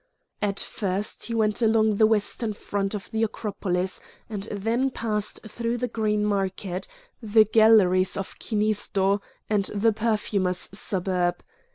At first he went along the western front of the Acropolis, and then passed through the Green Market, the galleries of Kinisdo, and the Perfumers' suburb.